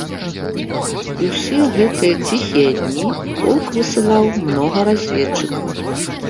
І ўсе гэтыя ціхія дні полк высылаў многа разведчыкаў.